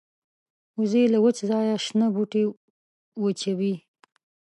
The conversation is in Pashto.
وزې له وچ ځایه شنه بوټي وچيبي